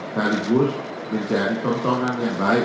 sekaligus menjadi tontonan yang baik